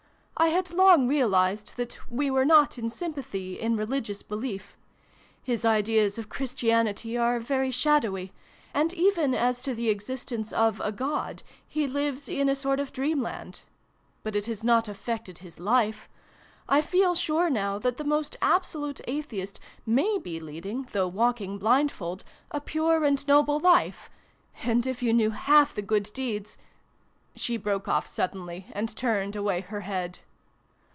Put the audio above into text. I had long realised that we were not in sympathy in religious belief. His ideas of Christianity are very shadowy; and even as to the existence of a God he lives in a sort of dreamland. But it has not affected his life ! I feel sure, now, that the most abso lute Atheist may be leading, though walking blindfold, a pure and noble life. And if you knew half the good deeds " she broke off suddenly, and turned away her head.